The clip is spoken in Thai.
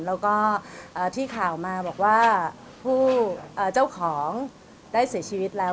แล้วก็ที่ข่าวมาบอกว่าผู้เจ้าของได้เสียชีวิตแล้ว